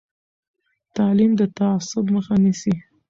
تعلیم د تعصب مخه نیسي.